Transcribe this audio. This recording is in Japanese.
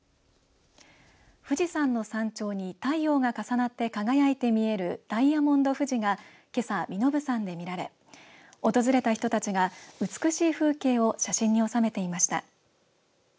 富士山の山頂に太陽が重なって輝いて見えるダイヤモンド富士がけさ、身延山で見られ訪れた人たちが、美しい風景を写真に収めていました。